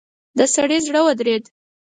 د سړي زړه ودرېد.